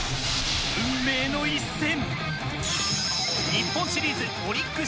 運命の一戦。